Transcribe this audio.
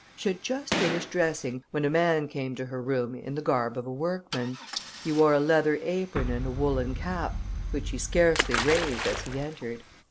She had just finished dressing, when a man came to her room in the garb of a workman; he wore a leathern apron and a woollen cap, which he scarcely raised as he entered.